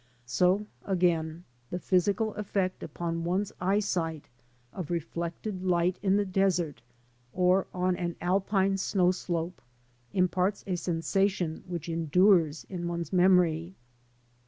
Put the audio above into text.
So, again, the physical effect upon one's eyesight of reflected light in the desert, or on an Alpine snow slope, imparts a sensation which endures in one's memory.